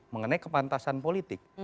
mengenai kepantasan politik